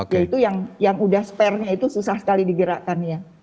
yaitu yang sudah spernya itu susah sekali digerakkan ya